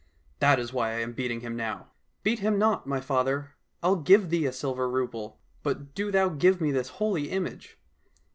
That is why I am beating him now." —'' Beat him not, my father ! I'll give thee a silver rouble, but do thou give me this holy image